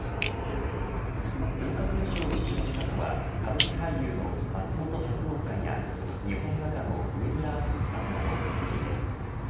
文化勲章を受章したのは歌舞伎俳優の松本白鸚さんや日本画家の上村淳之さんなど６人です。